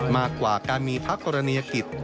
มากกว่าการมีพระกรณียกิจ